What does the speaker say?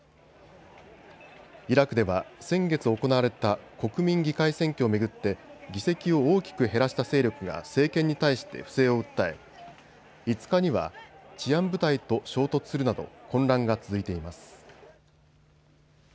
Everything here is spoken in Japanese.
イラクでは先月行われた国民議会選挙を巡って議席を大きく減らした勢力が政権に対して不正を訴え５日には治安部隊と衝突するなど混乱が続いています。